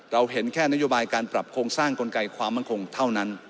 เห็นแค่นโยบายการปรับโครงสร้างกลไกความมั่นคงเท่านั้น